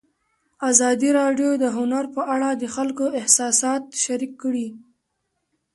ازادي راډیو د هنر په اړه د خلکو احساسات شریک کړي.